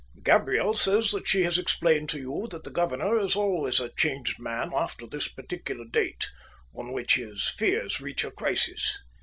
"Gabriel says that she has explained to you that the governor is always a changed man after this particular date, on which his fears reach a crisis.